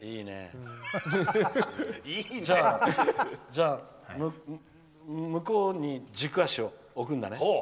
じゃあ、向こうに軸足を置くんだね。